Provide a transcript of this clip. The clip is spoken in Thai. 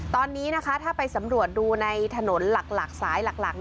ตอนนี้นะคะถ้าไปสำรวจดูในถนนหลักสายหลัก